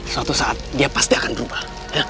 suatu saat dia pasti akan berubah